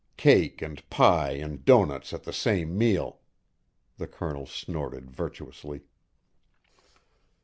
Cake and pie and doughnuts at the same meal!" The Colonel snorted virtuously.